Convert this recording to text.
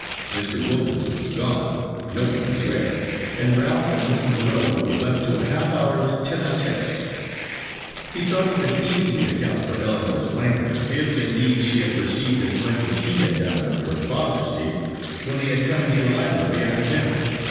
Mr. Wilkins was gone, no one knew where, and Ralph and Miss Monro were left to a half hour's tete a tete. He thought he could easily account for Ellinor's languor, if, indeed, she had perceived as much as he had done of her father's state, when they had come into the library after dinner.